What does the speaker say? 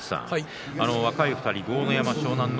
若い２人、豪ノ山と湘南乃